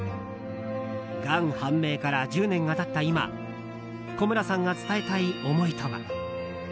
がん判明から１０年が経った今古村さんが伝えたい思いとは。